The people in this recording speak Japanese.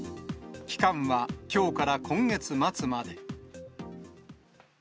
期間はきょうから今月末まで。